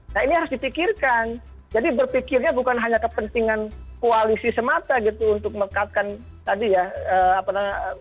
nah ini harus dipikirkan jadi berpikirnya bukan hanya kepentingan koalisi semata gitu untuk mengatakan tadi ya kekuatan koalisi yang penuh itu